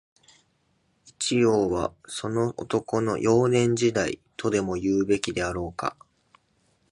一葉は、その男の、幼年時代、とでも言うべきであろうか